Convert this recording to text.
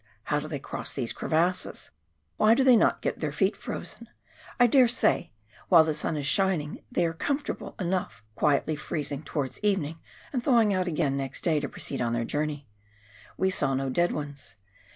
How do they cross these crevasses ? Why do they not get their feet frozen ? I dare say while the sun is shining they are comfortable enough, quietly freezing towards evening, and thawing out again next day proceed on their journey. We saw no dead ones.